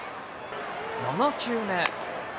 ７球目。